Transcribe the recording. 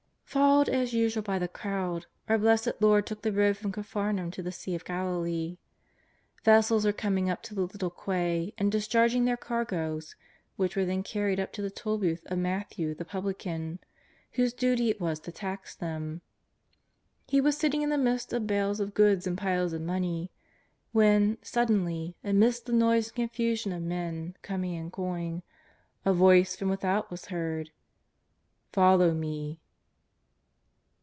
Followed as usual by the crowd, our Blessed Lord took the road from Capharnaum to the Sea of Galilee. Vessels were coming up to the little quay and discharg ing their cargoes, which were then carried up to the toll booth of Matthew the publican, whose duty it was to tax them. He was sitting in the midst of bales of goods and piles of money, when, suddenly, amidst the noise and confusion of men coming and going, a Voice from without was heard :" Follow Me."